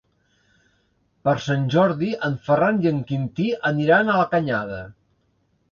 Per Sant Jordi en Ferran i en Quintí aniran a la Canyada.